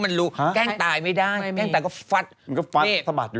มันรู้แก้งตายไม่ได้แก้งตายก็ฟัด